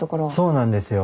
そうなんですよ。